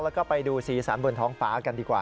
แล้วก็ไปดูสีสันบนท้องฟ้ากันดีกว่า